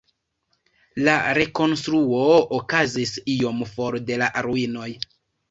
La rekonstruo okazis iom for de la ruinoj.